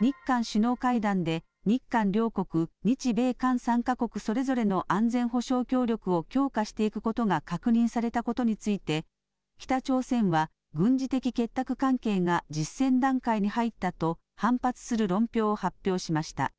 日韓首脳会談で日韓両国、日米韓３か国それぞれの安全保障協力を強化していくことが確認されたことについて北朝鮮は軍事的結託関係が実践段階に入ったと反発する論評を発表しました。